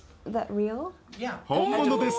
本物です。